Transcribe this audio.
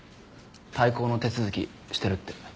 退校の手続きしてるって。